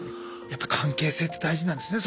やっぱ関係性って大事なんですね